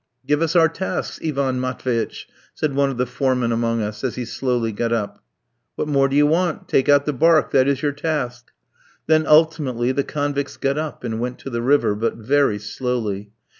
"Give us our tasks, Ivan Matveitch," said one of the "foremen" among us, as he slowly got up. "What more do you want? Take out the barque, that is your task." Then ultimately the convicts got up and went to the river, but very slowly.